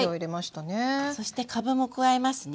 そしてかぶも加えますね。